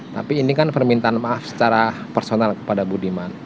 tapi ini kan permintaan maaf secara personal kepada budiman